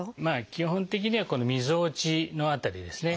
基本的にはこのみぞおちの辺りですね。